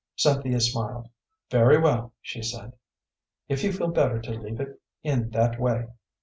Cynthia smiled. "Very well," she said, "if you feel better to leave it in that way.